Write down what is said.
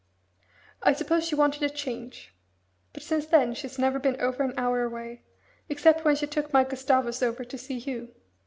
I suppose she wanted a change. But since then she's never been over an hour away, except when she took my Gustavus over to see you.